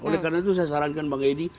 oleh karena itu saya sarankan bang edi